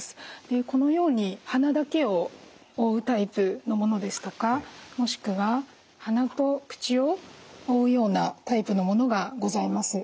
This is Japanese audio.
このように鼻だけを覆うタイプのものですとかもしくは鼻と口を覆うようなタイプのものがございます。